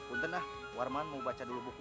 untuknya warman mau baca dulu buku